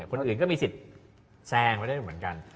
คนอื่นก็มีสิทธิ์แซงไว้ได้เหมือนกัน